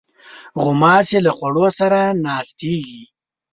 غوماشې له خوړو سره ناستېږي.